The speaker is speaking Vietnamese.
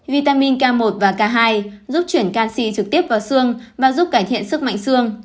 vitamin k một và k hai giúp chuyển canxi trực tiếp vào xương và giúp cải thiện sức mạnh xương